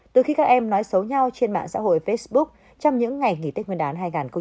từ khi các em nói xấu nhau trên mạng xã hội facebook trong những ngày nghỉ tết nguyên đán hai nghìn hai mươi